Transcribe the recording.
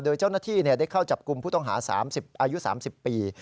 โดยเจ้าหน้าที่ได้เข้าจับกลุ่มผู้ต้องหา๓๐อายุ๓๐ปี